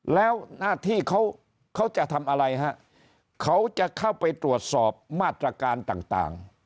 แล้วหน้าที่เขาเขาจะทำอะไรฮะเขาจะเข้าไปตรวจสอบมาตรการต่าง